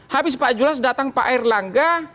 habis pak julas datang pak erlangga